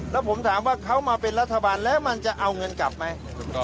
แล้วผมถามว่าเขามาเป็นรัฐบาลแล้วมันจะเอาเงินกลับไหม